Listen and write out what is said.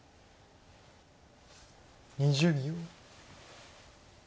２０秒。